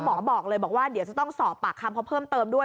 บอกเลยบอกว่าเดี๋ยวจะต้องสอบปากคำเขาเพิ่มเติมด้วย